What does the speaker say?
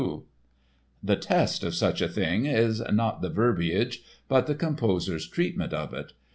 _ The test of such a thing is not the verbiage but the composer's treatment of it.